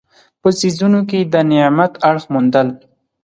په څیزونو کې د نعمت اړخ موندل.